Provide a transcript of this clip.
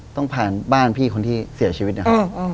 ต้องผ่านบ้านพี่คนที่เสียชีวิตนะครับ